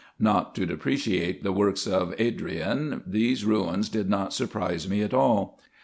Not to depreciate the works of Adrian, these ruins did not surprise me at all.